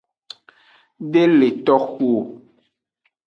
De le toxu o.